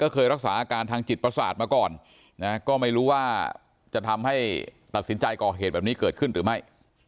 เคยรักษาอาการทางจิตประสาทมาก่อนนะก็ไม่รู้ว่าจะทำให้ตัดสินใจก่อเหตุแบบนี้เกิดขึ้นหรือไม่